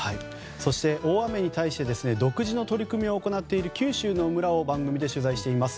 そして、大雨に対して独自の取り組みを行っている九州の村を番組で取材しています。